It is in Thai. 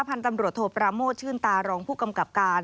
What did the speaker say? พันธุ์ตำรวจโทปราโมทชื่นตารองผู้กำกับการ